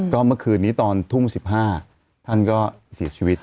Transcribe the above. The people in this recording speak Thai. ก็เมื่อคืนนี้ตอนทุ่ม๑๕ท่านก็เสียชีวิต